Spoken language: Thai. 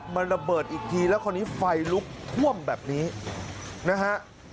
มันระเบิดอีกทีแล้วคราวนี้ไฟลุกท่วมแบบนี้นะฮะ